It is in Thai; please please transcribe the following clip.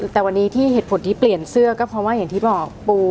แต่วันนี้ที่เหตุผลที่เปลี่ยนเสื้อก็เพราะว่าอย่างที่บอกปู